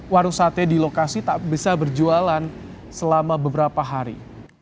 warung sate di lokasi tak bisa berjualan selama beberapa hari